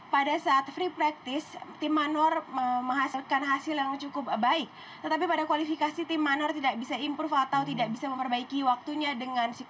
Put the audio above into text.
baik berarti kemarin relatif dapat dikatakan bahwa mobil rio haryanto mrt lima baik baik saja ya andra dan ready untuk menghadapi gp shanghai nanti siang